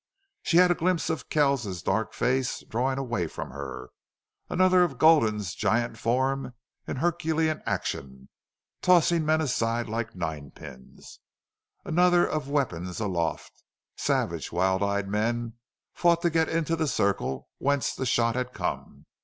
She had a glimpse of Kells's dark face drawing away from her; another of Gulden's giant form in Herculean action, tossing men aside like ninepins; another of weapons aloft. Savage, wild eyed men fought to get into the circle whence that shot had come.